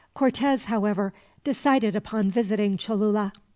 Cortez, however, decided upon visiting Cholula.